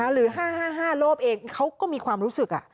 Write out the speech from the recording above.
หรือ๕๕โลกเองเขาก็มีความรู้สึก